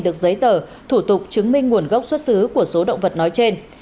được giấy tờ thủ tục chứng minh nguồn gốc xuất xứ của số động vật nói trên